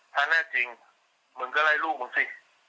ถ้าแน่จริงมึงก็ไล่ลูกมึงสิ